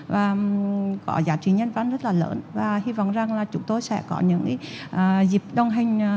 và có giá trị nhân văn rất là lớn và hy vọng rằng là chúng tôi sẽ có những dịp đồng hành